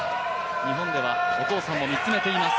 日本ではお父さんも見つめています。